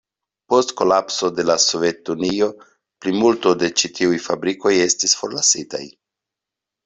Post kolapso de la Sovetunio plimulto de ĉi tiuj fabrikoj estis forlasitaj.